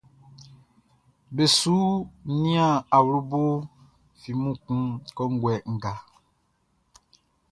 Be su nian awlobo flimu kun kɔnguɛ nga.